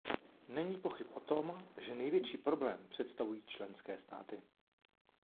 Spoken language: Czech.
Není pochyb o tom, že největší problém představují členské státy.